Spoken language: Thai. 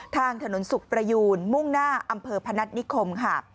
ทางถนนสุขประยูนมุ่งหน้าอำเภอพนัฐนิคมค่ะ